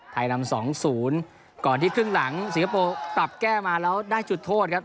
นำ๒๐ก่อนที่ครึ่งหลังสิงคโปร์ปรับแก้มาแล้วได้จุดโทษครับ